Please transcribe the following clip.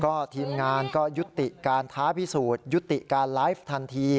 ก็ทีมงานก็ยุติการท้าพิสูจน์ยุติการไลฟ์ทันที